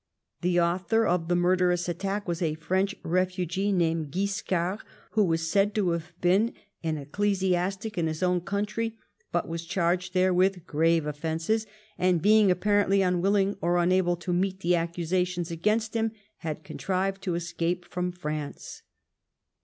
The author of the mur derous attack was a French refugee named Guiscard, who was said to have been an ecclesiastic in his own country, but was charged there with grave offences, and being apparently unwilling or unable to meet the accusations against him, had contrived to escape from France.